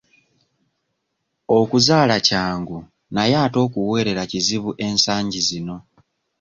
Okuzaala kyangu naye ate okuweerera kizibu ensangi zino.